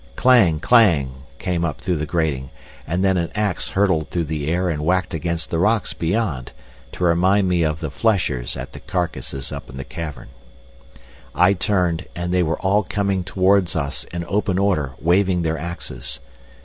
Clang, clang, came up through the grating, and then an axe hurtled through the air and whacked against the rocks beyond, to remind me of the fleshers at the carcasses up the cavern. I turned, and they were all coming towards us in open order waving their axes.